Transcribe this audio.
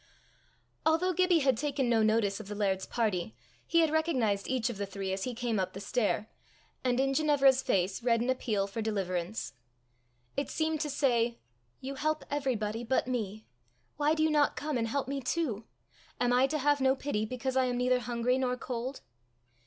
Although Gibbie had taken no notice of the laird's party, he had recognized each of the three as he came up the stair, and in Ginevra's face read an appeal for deliverance. It seemed to say, "You help everybody but me! Why do you not come and help me too? Am I to have no pity because I am neither hungry nor cold?"